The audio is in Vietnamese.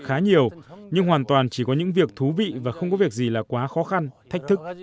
khá nhiều nhưng hoàn toàn chỉ có những việc thú vị và không có việc gì là quá khó khăn thách thức